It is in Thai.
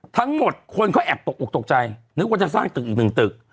ทั้งหมดคนเขาแอบตกออกตกใจนึกว่าจะสร้างตึกอีกหนึ่งตึก